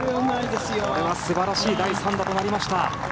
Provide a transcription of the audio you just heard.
これは素晴らしい第３打となりました。